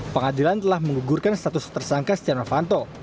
pengadilan telah mengugurkan status tersangka siti ravanto